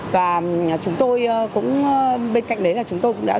và chúng tôi cũng bên cạnh đấy là chúng tôi cũng đã rất là